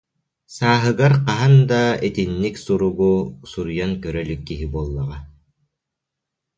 Сааһыгар хаһан да итинник суругу суруйан көрө илик киһи буоллаҕа